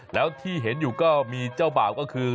แล้วที่เห็นอยู่ก็มีเจ้าบ่าวก็คือ